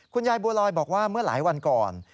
บัวลอยบอกว่าเมื่อหลายวันก่อน